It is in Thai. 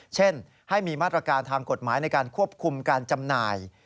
เช่นให้มีมาตรการทางกฎหมายในการควบคุมการจำหน่าย